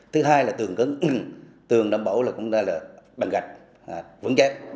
thứ hai là tường cứng tường đảm bảo là bằng gạch vững chép